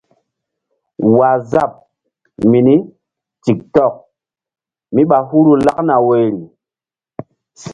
Waazap mini tik tok mí ɓa huru lakna woyri.